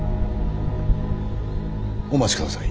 お待ちください。